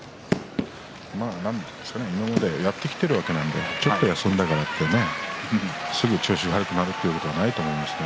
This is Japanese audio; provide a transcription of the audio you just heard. でも、今までやってきているわけなんでちょっと休んだからってすぐに調子が悪くなるってこともないと思うんですよね。